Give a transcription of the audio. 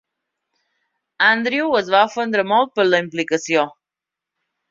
Andrew es va ofendre molt per la implicació.